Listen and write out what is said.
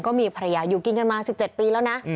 ก็มีภรรยาอยู่กินกันมา๑๗ปีแล้วนะ